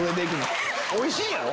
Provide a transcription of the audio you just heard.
おいしいんやろ？